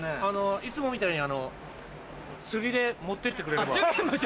いつもみたいに釣りで持って行ってくれれば。